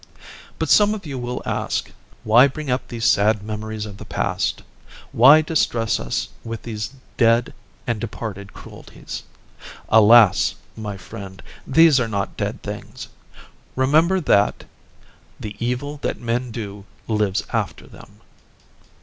But some of you will ask: "Why bring up these sad memories of the past? Why distress us with these dead and departed cruelties?" Alas, my friends, these are not dead things. Remember that "The evil that men do lives after them."